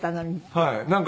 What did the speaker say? はい。